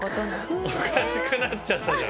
おかしくなっちゃったじゃん。